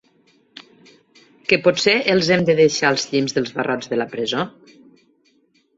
Que potser els hem de deixar als llimbs dels barrots de la presó?